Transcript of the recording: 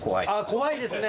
怖いですね。